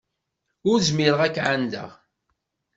Ur zmireɣ ad k-εandeɣ.